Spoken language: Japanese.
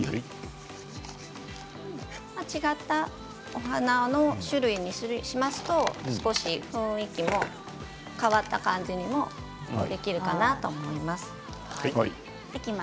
違ったお花の種類にしますと少し雰囲気も変わったものにできるかなあと思います。